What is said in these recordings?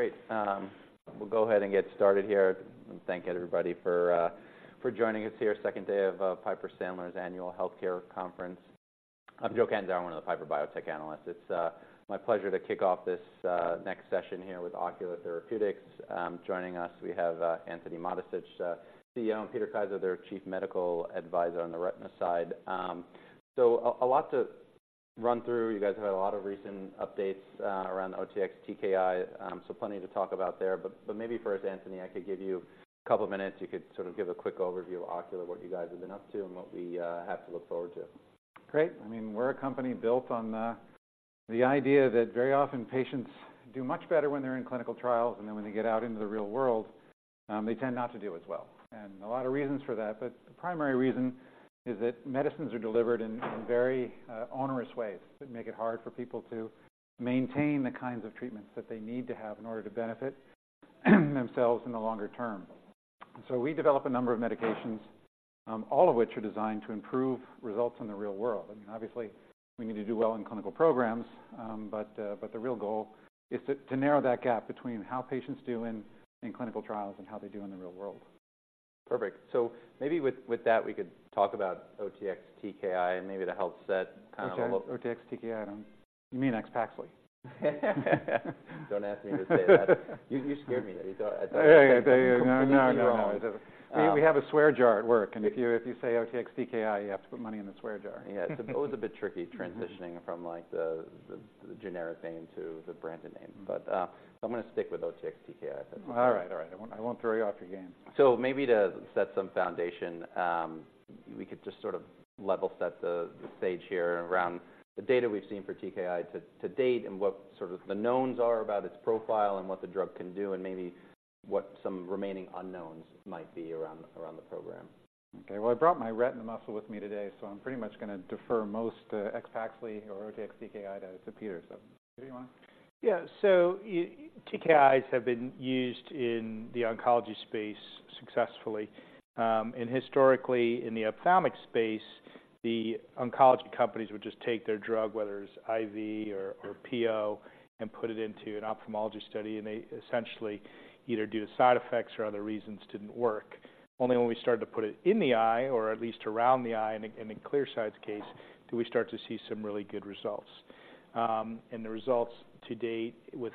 Great. We'll go ahead and get started here, and thank you everybody for for joining us here. Second day of Piper Sandler's Annual Healthcare Conference. I'm Joe Catanzaro, one of the Piper Biotech analysts. It's my pleasure to kick off this next session here with Ocular Therapeutix. Joining us, we have Antony Mattessich, CEO, and Peter Kaiser, their Chief Medical Advisor on the retina side. So a lot to run through. You guys have had a lot of recent updates around OTX-TKI, so plenty to talk about there. But maybe first, Antony, I could give you a couple of minutes. You could sort of give a quick overview of Ocular, what you guys have been up to, and what we have to look forward to. Great. I mean, we're a company built on the idea that very often patients do much better when they're in clinical trials, and then when they get out into the real world, they tend not to do as well. A lot of reasons for that, but the primary reason is that medicines are delivered in very onerous ways that make it hard for people to maintain the kinds of treatments that they need to have in order to benefit themselves in the longer term. We develop a number of medications, all of which are designed to improve results in the real world. I mean, obviously, we need to do well in clinical programs, but the real goal is to narrow that gap between how patients do in clinical trials and how they do in the real world. Perfect. So maybe with that, we could talk about OTX-TKI and maybe to help set kind of- OTX-TKI. You mean AXPAXLI. Don't ask me to say that. You, you scared me there. You thought- Yeah, yeah. No, no, no. You're wrong. We have a swear jar at work, and if you say OTX-TKI, you have to put money in the swear jar. Yeah, it's a little bit tricky transitioning from, like, the generic name to the branded name. Mm-hmm. So I'm going to stick with OTX-TKI. All right, all right. I won't, I won't throw you off your game. So maybe to set some foundation, we could just sort of level set the stage here around the data we've seen for TKI to date, and what sort of the knowns are about its profile and what the drug can do, and maybe what some remaining unknowns might be around the program. Okay. Well, I brought my retina muscle with me today, so I'm pretty much going to defer most, AXPAXLI or OTX-TKI to Peter. So, Peter, you want to? Yeah. So TKIs have been used in the oncology space successfully. And historically, in the ophthalmic space, the oncology companies would just take their drug, whether it's IV or PO, and put it into an ophthalmology study, and they essentially, either due to side effects or other reasons, didn't work. Only when we started to put it in the eye, or at least around the eye, in a ClearSide's case, do we start to see some really good results. And the results to date with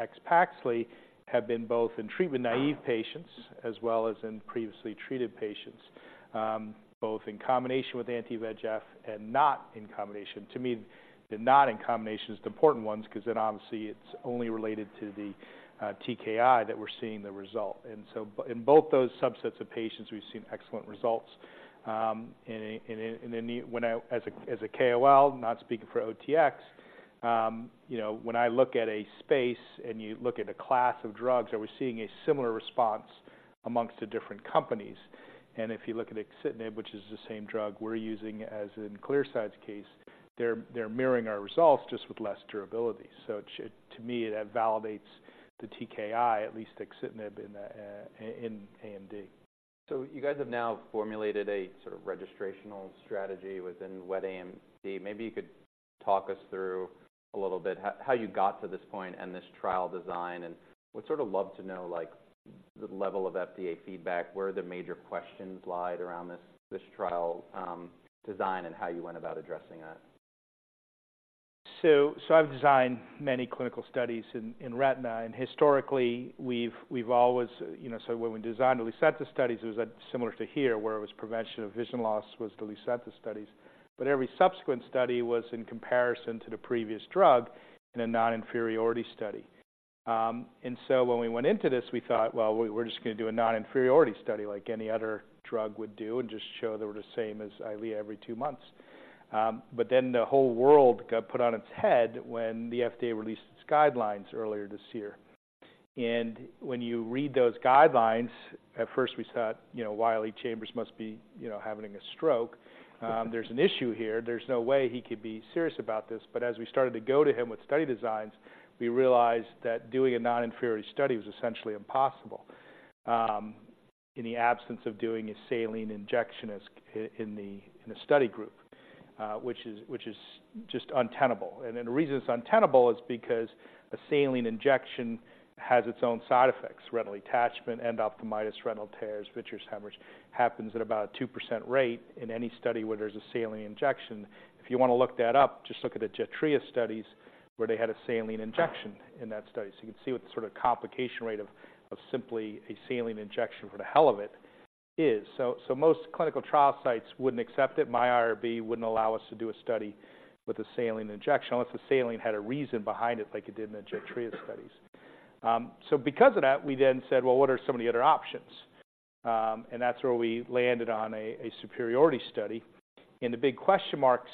AXPAXLI have been both in treatment-naive patients, as well as in previously treated patients, both in combination with anti-VEGF and not in combination. To me, the not in combination is the important ones, because then obviously it's only related to the TKI that we're seeing the result. And so in both those subsets of patients, we've seen excellent results. When I as a KOL, not speaking for OTX, you know, when I look at a space and you look at a class of drugs, are we seeing a similar response among the different companies? And if you look at axitinib, which is the same drug we're using as in ClearSide's case, they're mirroring our results just with less durability. So to me, that validates the TKI, at least axitinib, in AMD. So you guys have now formulated a sort of registrational strategy within Wet AMD. Maybe you could talk us through a little bit how you got to this point and this trial design. And we'd sort of love to know, like, the level of FDA feedback, where the major questions lay around this, this trial, design, and how you went about addressing that. So I've designed many clinical studies in retina, and historically, we've always, you know... So when we designed the Lucentis studies, it was similar to here, where it was prevention of vision loss, was the Lucentis studies. But every subsequent study was in comparison to the previous drug in a non-inferiority study. And so when we went into this, we thought, well, we're just going to do a non-inferiority study like any other drug would do, and just show they were the same as Eylea every two months. But then the whole world got put on its head when the FDA released its guidelines earlier this year. And when you read those guidelines, at first we thought, you know, Wiley Chambers must be, you know, having a stroke. There's an issue here. There's no way he could be serious about this. But as we started to go to him with study designs, we realized that doing a non-inferiority study was essentially impossible in the absence of doing a saline injection in the study group, which is just untenable. And then the reason it's untenable is because a saline injection has its own side effects: retinal detachment, endophthalmitis, retinal tears, vitreous hemorrhage, happens at about a 2% rate in any study where there's a saline injection. If you want to look that up, just look at the Jetrea studies, where they had a saline injection in that study. So you can see what the sort of complication rate of simply a saline injection for the hell of it is. So most clinical trial sites wouldn't accept it. My IRB wouldn't allow us to do a study with a saline injection, unless the saline had a reason behind it, like it did in the Jetrea studies. So because of that, we then said: Well, what are some of the other options? And that's where we landed on a, a superiority study. And the big question marks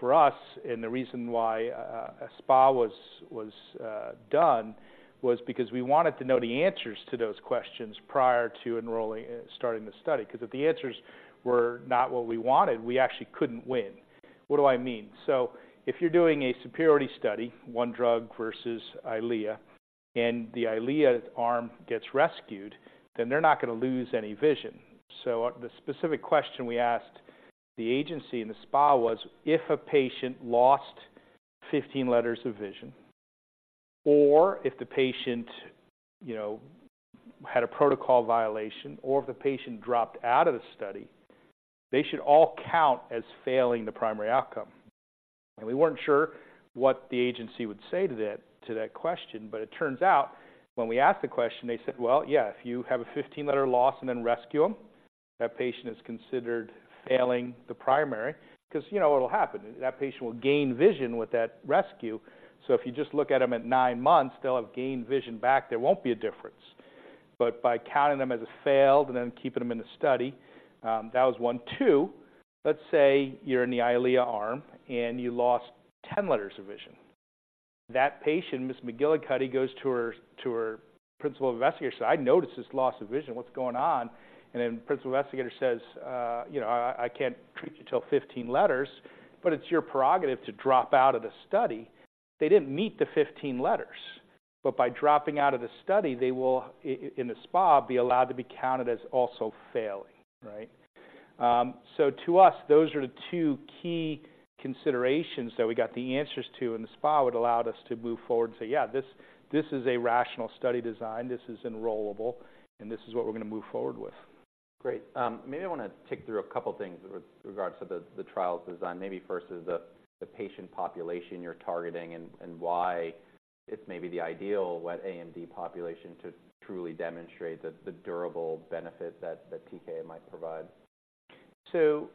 for us, and the reason why, SPA was, was, done, was because we wanted to know the answers to those questions prior to enrolling, starting the study, because if the answers were not what we wanted, we actually couldn't win. What do I mean? So if you're doing a superiority study, one drug versus Eylea, and the Eylea arm gets rescued, then they're not going to lose any vision. So the specific question we asked-... The agency and the SPA was, if a patient lost 15 letters of vision, or if the patient, you know, had a protocol violation, or if the patient dropped out of the study, they should all count as failing the primary outcome. We weren't sure what the agency would say to that, to that question, but it turns out when we asked the question, they said, "Well, yeah, if you have a 15-letter loss and then rescue them, that patient is considered failing the primary." Because, you know, what will happen? That patient will gain vision with that rescue. So if you just look at them at nine months, they'll have gained vision back, there won't be a difference. But by counting them as a failed and then keeping them in the study, that was one. Two, let's say you're in the Eylea arm and you lost 10 letters of vision. That patient, Ms. McGillicuddy, goes to her principal investigator, says, "I noticed this loss of vision. What's going on?" And then principal investigator says, "You know, I can't treat you till 15 letters, but it's your prerogative to drop out of the study." They didn't meet the 15 letters, but by dropping out of the study, they will, in the SPA, be allowed to be counted as also failing, right? So to us, those are the two key considerations that we got the answers to in the SPA, which allowed us to move forward and say, "Yeah, this, this is a rational study design, this is enrollable, and this is what we're going to move forward with. Great. Maybe I want to tick through a couple of things with regards to the trial's design. Maybe first is the patient population you're targeting and why it's maybe the ideal wet AMD population to truly demonstrate the durable benefit that TKI might provide. So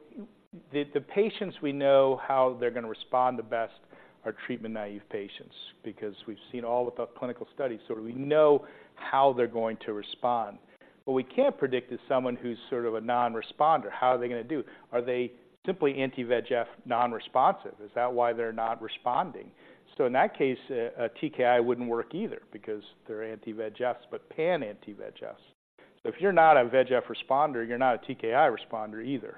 the patients we know how they're going to respond the best are treatment-naive patients, because we've seen all of the clinical studies, so we know how they're going to respond. What we can't predict is someone who's sort of a non-responder. How are they going to do? Are they simply anti-VEGF non-responsive? Is that why they're not responding? So in that case, a TKI wouldn't work either because they're anti-VEGFs, but pan-anti-VEGFs. So if you're not a VEGF responder, you're not a TKI responder either.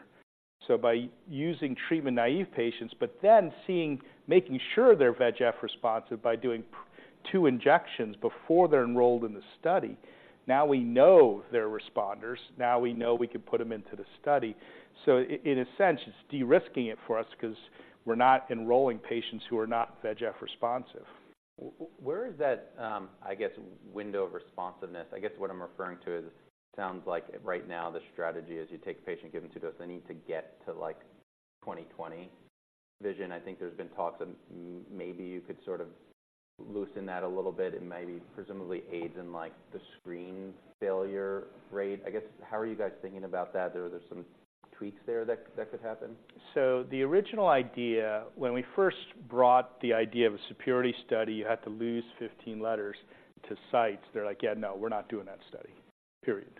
So by using treatment-naive patients, but then making sure they're VEGF responsive by doing two injections before they're enrolled in the study, now we know they're responders, now we know we can put them into the study. So in a sense, it's de-risking it for us because we're not enrolling patients who are not VEGF responsive. Where is that, I guess, window of responsiveness? I guess what I'm referring to is, it sounds like right now the strategy is you take a patient, give them two dose, they need to get to, like, 20/20 vision. I think there's been talks of maybe you could sort of loosen that a little bit and maybe presumably aids in, like, the screen failure rate. I guess, how are you guys thinking about that? Are there some tweaks there that could happen? So the original idea, when we first brought the idea of a superiority study, you had to lose 15 letters to sites. They're like: Yeah, no, we're not doing that study, period.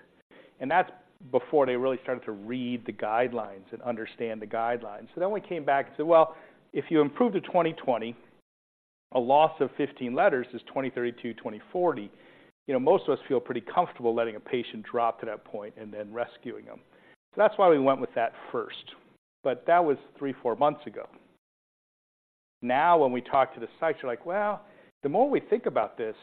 And that's before they really started to read the guidelines and understand the guidelines. So then we came back and said, "Well, if you improve to 20/20, a loss of 15 letters is 20/30 to 20/40. You know, most of us feel pretty comfortable letting a patient drop to that point and then rescuing them." So that's why we went with that first. But that was three, four months ago. Now, when we talk to the sites, they're like: Well, the more we think about this,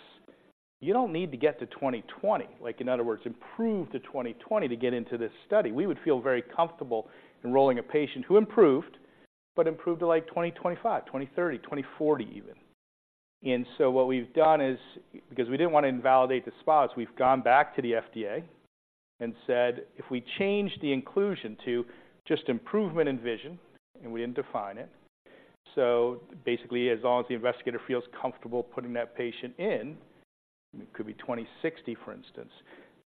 you don't need to get to 20/20. Like, in other words, improve to 20/20 to get into this study. We would feel very comfortable enrolling a patient who improved, but improved to, like, 20/25, 20/30, 20/40 even. And so what we've done is, because we didn't want to invalidate the spots, we've gone back to the FDA and said, "If we change the inclusion to just improvement in vision," and we didn't define it. So basically, as long as the investigator feels comfortable putting that patient in, it could be 20/60, for instance.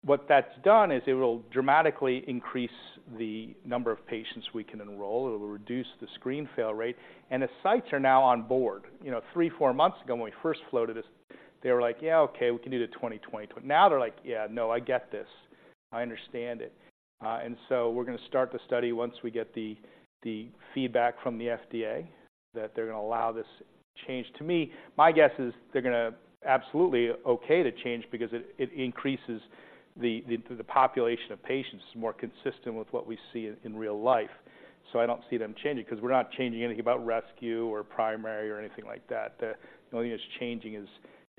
What that's done is it will dramatically increase the number of patients we can enroll. It will reduce the screen fail rate, and the sites are now on board. You know, three, four months ago, when we first floated this, they were like, "Yeah, okay, we can do the 20/20." But now they're like, "Yeah, no, I get this. I understand it." And so we're going to start the study once we get the feedback from the FDA that they're going to allow this change. To me, my guess is they're going to absolutely okay the change because it increases the population of patients. It's more consistent with what we see in real life. So I don't see them changing because we're not changing anything about rescue or primary or anything like that. The only thing that's changing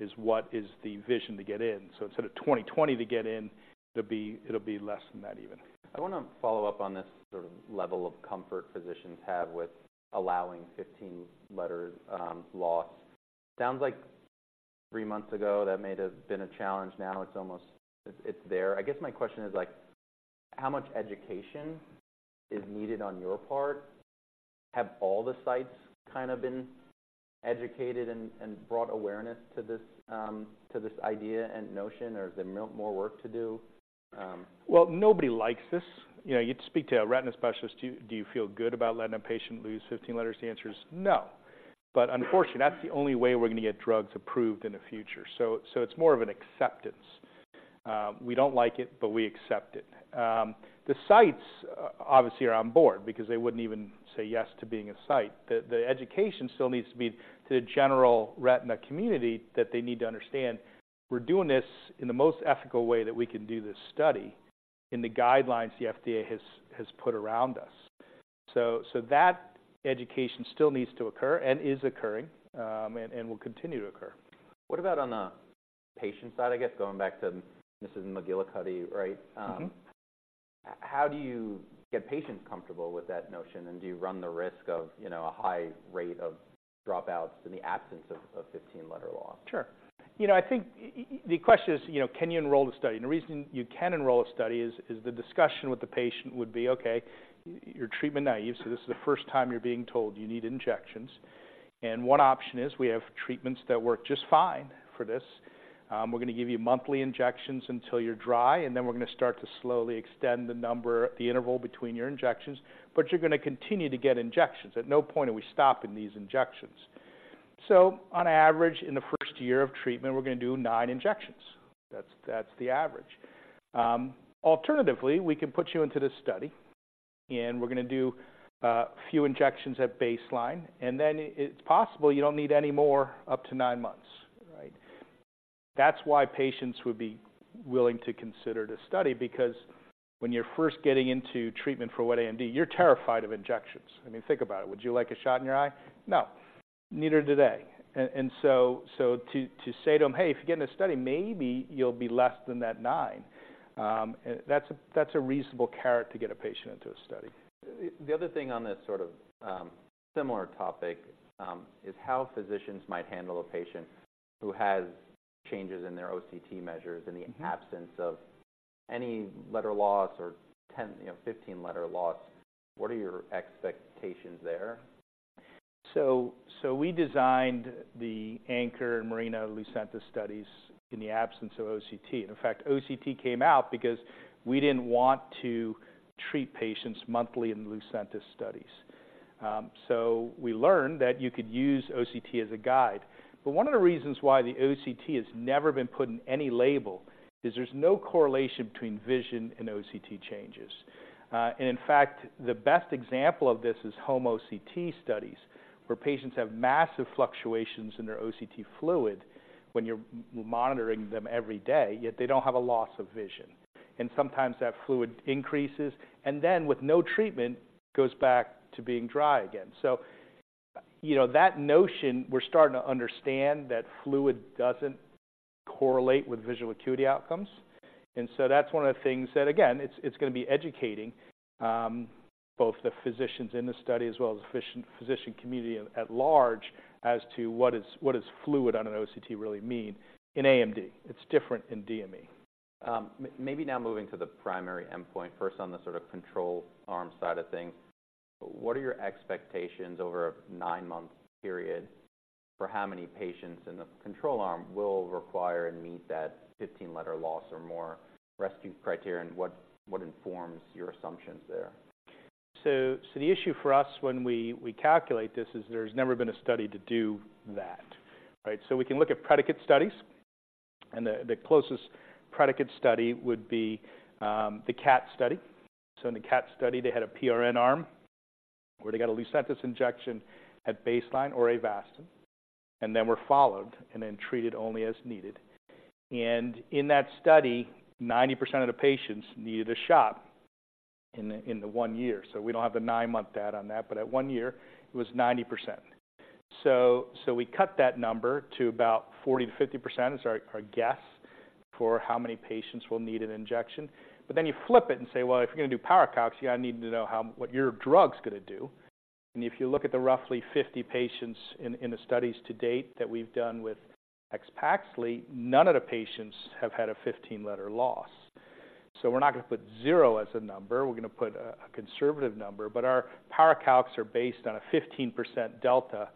is what is the vision to get in. So instead of 20/20 to get in, it'll be less than that even. I want to follow up on this sort of level of comfort physicians have with allowing 15-letter loss. Sounds like three months ago, that may have been a challenge. Now, it's almost... It's there. I guess my question is, like, how much education is needed on your part? Have all the sites kind of been educated and brought awareness to this idea and notion, or is there more work to do? Well, nobody likes this. You know, you'd speak to a retina specialist, "Do you feel good about letting a patient lose 15 letters?" The answer is no. But unfortunately, that's the only way we're going to get drugs approved in the future. So it's more of an acceptance. We don't like it, but we accept it. The sites obviously are on board because they wouldn't even say yes to being a site. The education still needs to be to the general retina community, that they need to understand we're doing this in the most ethical way that we can do this study in the guidelines the FDA has put around us. So that education still needs to occur and is occurring, and will continue to occur. What about on a patient side, I guess, going back to Mrs. McGillicuddy, right? Mm-hmm. How do you get patients comfortable with that notion? Do you run the risk of, you know, a high rate of dropouts in the absence of 15-letter loss? Sure. You know, I think the question is, you know, can you enroll the study? And the reason you can enroll a study is the discussion with the patient would be, okay, you're treatment-naive, so this is the first time you're being told you need injections. And one option is we have treatments that work just fine for this. We're going to give you monthly injections until you're dry, and then we're going to start to slowly extend the number, the interval between your injections. But you're going to continue to get injections. At no point are we stopping these injections. So on average, in the first year of treatment, we're going to do nine injections. That's the average. Alternatively, we can put you into this study, and we're going to do a few injections at baseline, and then it's possible you don't need any more up to nine months, right? That's why patients would be willing to consider the study, because when you're first getting into treatment for wet AMD, you're terrified of injections. I mean, think about it. Would you like a shot in your eye? No, neither do they. And so, to say to them, "Hey, if you get in a study, maybe you'll be less than that nine," that's a reasonable carrot to get a patient into a study. The other thing on this sort of similar topic is how physicians might handle a patient who has c`hanges in their OCT measures- Mm-hmm. In the absence of any letter loss or 10, you know, 15 letter loss. What are your expectations there? We designed the ANCHOR and MARINA Lucentis studies in the absence of OCT. In fact, OCT came out because we didn't want to treat patients monthly in Lucentis studies. We learned that you could use OCT as a guide. But one of the reasons why the OCT has never been put in any label is there's no correlation between vision and OCT changes. And in fact, the best example of this is home OCT studies, where patients have massive fluctuations in their OCT fluid when you're monitoring them every day, yet they don't have a loss of vision. And sometimes that fluid increases, and then with no treatment, goes back to being dry again. You know, that notion, we're starting to understand that fluid doesn't correlate with visual acuity outcomes. So that's one of the things that, again, it's going to be educating both the physicians in the study as well as the physician community at large as to what does fluid on an OCT really mean in AMD. It's different in DME. Maybe now moving to the primary endpoint, first on the sort of control arm side of things. What are your expectations over a nine-month period for how many patients in the control arm will require and meet that 15-letter loss or more rescue criterion? What informs your assumptions there? So, so the issue for us when we, we calculate this is there's never been a study to do that, right? So we can look at predicate studies, and the, the closest predicate study would be the CATT Study. So in the CATT Study, they had a PRN arm where they got a Lucentis injection at baseline or Avastin, and then were followed and then treated only as needed. And in that study, 90% of the patients needed a shot in the, in the 1 year. So we don't have the nine month data on that, but at 1 year it was 90%. So, so we cut that number to about 40%-50% is our, our guess for how many patients will need an injection. But then you flip it and say, well, if you're going to do power calculations, you got to need to know how what your drug's going to do. And if you look at the roughly 50 patients in the studies to date that we've done with AXPAXLI, none of the patients have had a 15-letter loss. So we're not going to put zero as a number. We're going to put a conservative number, but our power calcs are based on a 15% delta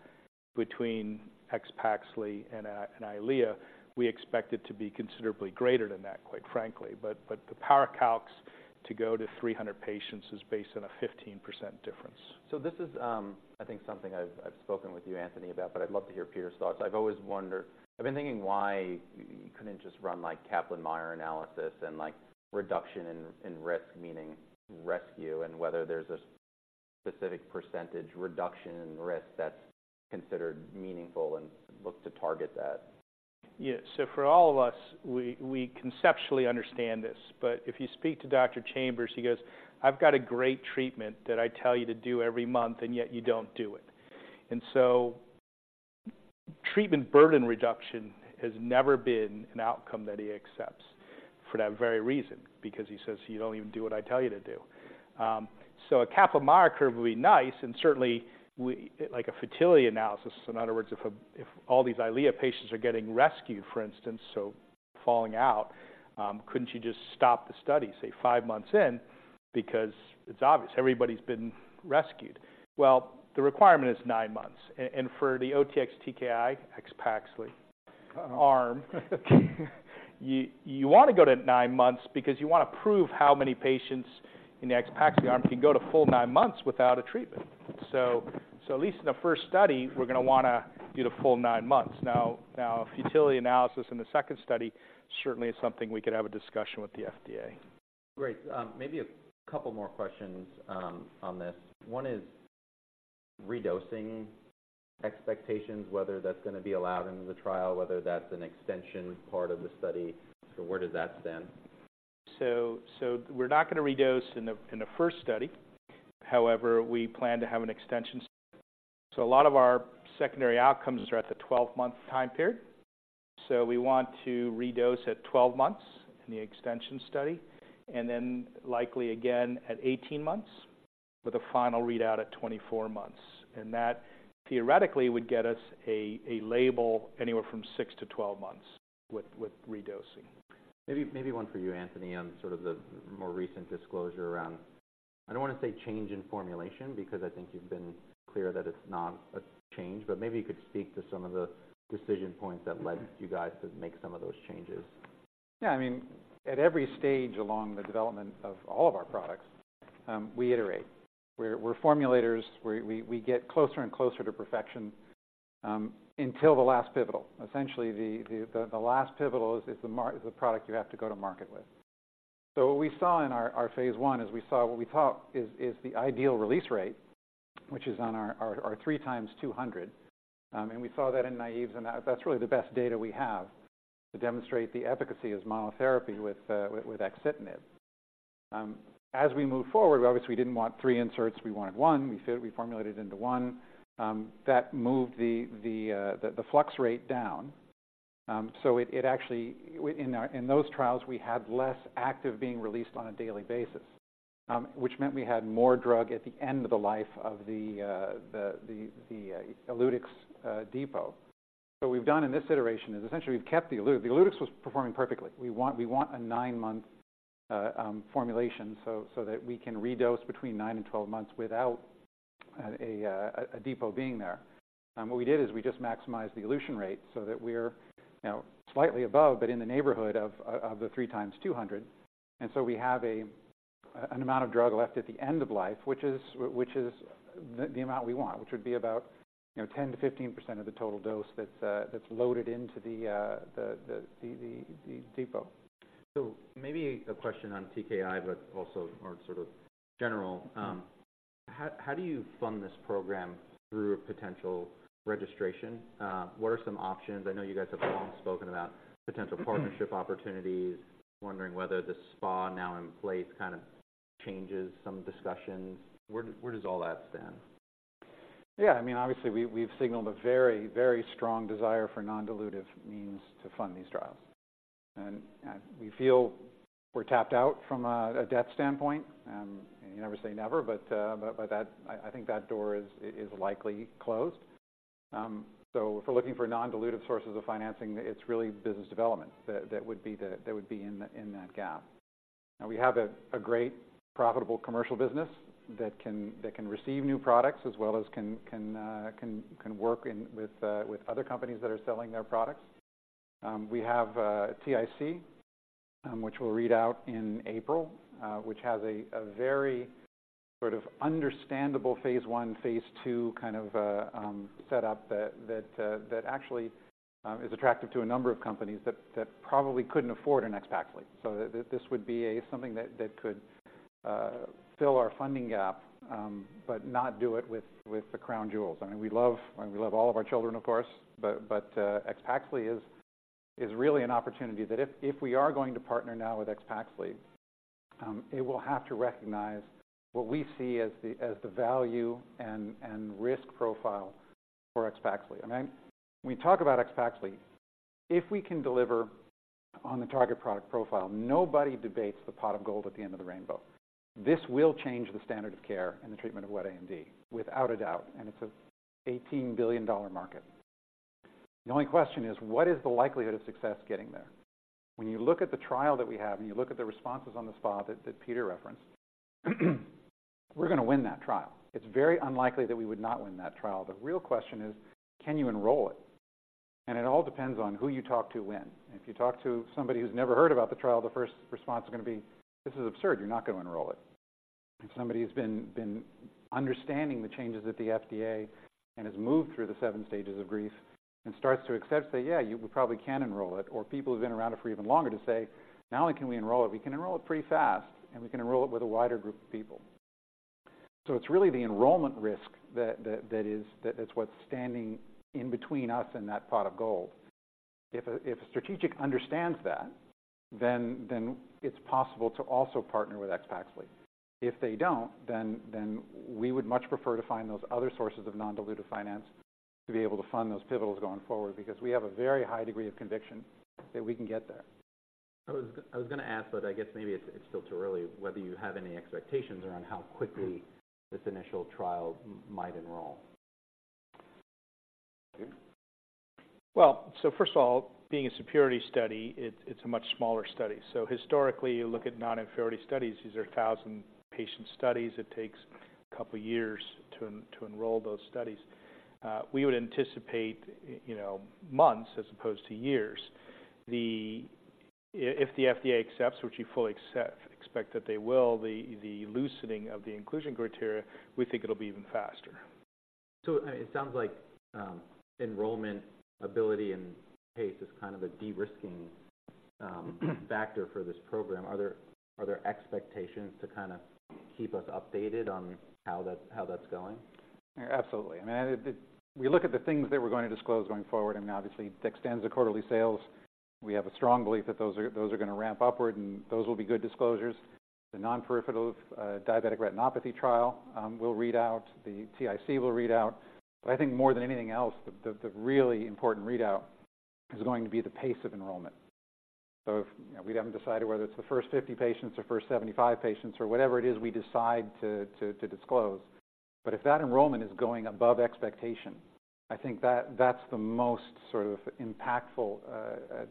between AXPAXLI and Eylea. We expect it to be considerably greater than that, quite frankly. But the power calcs to go to 300 patients is based on a 15% difference. So this is, I think, something I've spoken with you, Antony, about, but I'd love to hear Peter's thoughts. I've always wondered. I've been thinking why you couldn't just run, like, Kaplan-Meier analysis and, like, reduction in risk, meaning rescue, and whether there's a specific percentage reduction in risk that's considered meaningful and look to target that. Yeah. So for all of us, we conceptually understand this, but if you speak to Dr. Chambers, he goes, "I've got a great treatment that I tell you to do every month, and yet you don't do it." And so treatment burden reduction has never been an outcome that he accepts for that very reason, because he says: "You don't even do what I tell you to do." So a Kaplan-Meier curve would be nice, and certainly we like a futility analysis. So in other words, if all these Eylea patients are getting rescued, for instance, so falling out, couldn't you just stop the study, say, five months in? Because it's obvious everybody's been rescued. Well, the requirement is nine months, and for the OTX-TKI AXPAXLI arm, you want to go to nine months because you want to prove how many patients in the Axpaxli arm can go to full nine months without a treatment. So at least in the first study, we're going to want to do the full nine months. Now, futility analysis in the second study certainly is something we could have a discussion with the FDA. Great. Maybe a couple more questions, on this. One is redosing expectations, whether that's going to be allowed in the trial, whether that's an extension part of the study. So where does that stand? So, we're not going to redose in the first study. However, we plan to have an extension study- ...So a lot of our secondary outcomes are at the 12-month time period. So we want to redose at 12 months in the extension study, and then likely again at 18 months, with a final readout at 24 months. And that theoretically would get us a label anywhere from 6-12 months with redosing. Maybe, maybe one for you, Antony, on sort of the more recent disclosure around... I don't want to say change in formulation, because I think you've been clear that it's not a change, but maybe you could speak to some of the decision points that led you guys to make some of those changes. Yeah, I mean, at every stage along the development of all of our products, we iterate. We're formulators. We get closer and closer to perfection, until the last pivotal. Essentially, the last pivotal is the product you have to go to market with. So what we saw in our phase 1 is we saw what we thought is the ideal release rate, which is on our 3 times 200. And we saw that in naïves, and that's really the best data we have to demonstrate the efficacy of monotherapy with axitinib. As we move forward, obviously, we didn't want three inserts, we wanted one. We formulated it into one. That moved the flux rate down. So, it actually, in our, in those trials, we had less active being released on a daily basis, which meant we had more drug at the end of the life of the ELUTYX depot. So what we've done in this iteration is essentially we've kept the ELUTYX. The ELUTYX was performing perfectly. We want a nine-month formulation, so that we can redose between nine and 12 months without a depot being there. And what we did is we just maximized the elution rate so that we're, you know, slightly above, but in the neighborhood of 3x 200. And so we have an amount of drug left at the end of life, which is the amount we want, which would be about, you know, 10%-15% of the total dose that's loaded into the depot. So maybe a question on TKI, but also more sort of general. How do you fund this program through a potential registration? What are some options? I know you guys have long spoken about potential partnership opportunities. Wondering whether the SPA now in place kind of changes some discussions. Where does all that stand? Yeah, I mean, obviously, we've signaled a very, very strong desire for non-dilutive means to fund these trials. And we feel we're tapped out from a debt standpoint. You never say never, but that... I think that door is likely closed. So if we're looking for non-dilutive sources of financing, it's really business development that would be the, that would be in that gap. Now, we have a great profitable commercial business that can receive new products as well as can work with other companies that are selling their products. We have TIC, which we'll read out in April, which has a very sort of understandable phase I, phase II kind of setup that actually is attractive to a number of companies that probably couldn't afford an AXPAXLI. So this would be something that could fill our funding gap, but not do it with the crown jewels. I mean, we love all of our children, of course, but AXPAXLI is really an opportunity that if we are going to partner now with AXPAXLI, it will have to recognize what we see as the value and risk profile for AXPAXLI. I mean, when we talk about AXPAXLI, if we can deliver on the target product profile, nobody debates the pot of gold at the end of the rainbow. This will change the standard of care in the treatment of wet AMD, without a doubt, and it's an $18 billion market. The only question is: What is the likelihood of success getting there? When you look at the trial that we have, and you look at the responses on the spot that Peter referenced, we're going to win that trial. It's very unlikely that we would not win that trial. The real question is: Can you enroll it? And it all depends on who you talk to, when. If you talk to somebody who's never heard about the trial, the first response is going to be, "This is absurd, you're not going to enroll it." If somebody has been understanding the changes at the FDA and has moved through the seven stages of grief and starts to accept, say, "Yeah, you probably can enroll it." Or people who've been around it for even longer to say, "Not only can we enroll it, we can enroll it pretty fast, and we can enroll it with a wider group of people." So it's really the enrollment risk that's what's standing in between us and that pot of gold. If a strategic understands that, then it's possible to also partner with AXPAXLI. If they don't, then we would much prefer to find those other sources of non-dilutive finance to be able to fund those pivotals going forward, because we have a very high degree of conviction that we can get there. I was going to ask, but I guess maybe it's still too early, whether you have any expectations around how quickly this initial trial might enroll? Well, so first of all, being a safety study, it's, it's a much smaller study. So historically, you look at non-inferiority studies, these are 1,000-patient studies. It takes a couple of years to, to enroll those studies. We would anticipate, you know, months as opposed to years. If the FDA accepts, which we fully expect that they will, the loosening of the inclusion criteria, we think it'll be even faster. So it sounds like, enrollment ability and pace is kind of a de-risking factor for this program. Are there expectations to kind of keep us updated on how that's going? Absolutely. I mean, it. We look at the things that we're going to disclose going forward, and obviously, DEXTENZA quarterly sales. We have a strong belief that those are going to ramp upward, and those will be good disclosures. The non-proliferative diabetic retinopathy trial will read out, the TIC will read out. But I think more than anything else, the really important readout is going to be the pace of enrollment. So, you know, we haven't decided whether it's the first 50 patients or first 75 patients or whatever it is we decide to disclose. But if that enrollment is going above expectation, I think that's the most sort of impactful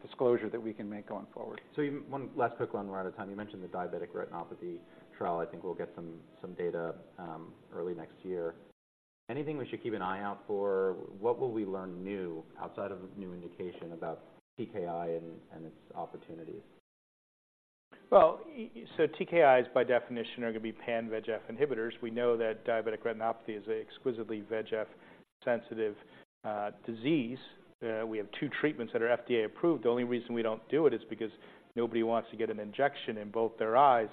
disclosure that we can make going forward. So one last quick one, we're out of time. You mentioned the diabetic retinopathy trial. I think we'll get some data early next year. Anything we should keep an eye out for? What will we learn new, outside of new indication, about TKI and its opportunities? Well, so TKIs, by definition, are going to be pan-VEGF inhibitors. We know that diabetic retinopathy is an exquisitely VEGF-sensitive disease. We have two treatments that are FDA-approved. The only reason we don't do it is because nobody wants to get an injection in both their eyes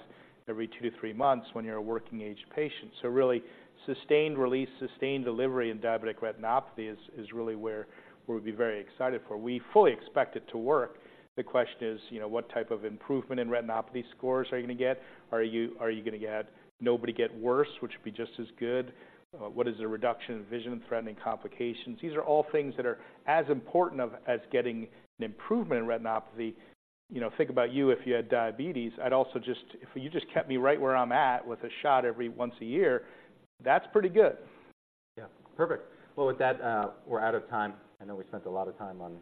every two to three months when you're a working-age patient. So really, sustained release, sustained delivery in diabetic retinopathy is really where we'll be very excited for. We fully expect it to work. The question is, you know, what type of improvement in retinopathy scores are you going to get? Are you going to get... Nobody get worse, which would be just as good. What is the reduction in vision-threatening complications? These are all things that are as important of, as getting an improvement in retinopathy. You know, think about you if you had diabetes. If you just kept me right where I'm at with a shot every once a year, that's pretty good. Yeah. Perfect. Well, with that, we're out of time. I know we spent a lot of time on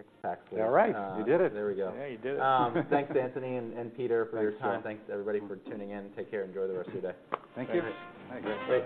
AXPAXLI. All right, you did it! There we go. Yeah, you did it. Thanks, Antony and Peter, for your time. Thanks. Thanks, everybody, for tuning in. Take care. Enjoy the rest of your day. Thank you. Thanks. Great.